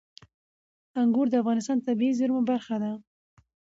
انګور د افغانستان د طبیعي زیرمو برخه ده.